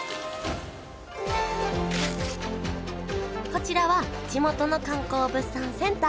こちらは地元の観光物産センター